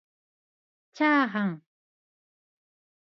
ちゃーはん